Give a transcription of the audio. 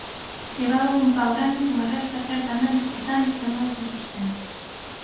Levaban un pau grande con arestas certamente cortantes a modo de sostén.